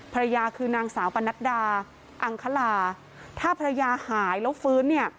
พระยาธิ์คือนางสาวปนัดดาอังคาราถ้าพระยาธิ์หายแล้วฟื้นเนี่ย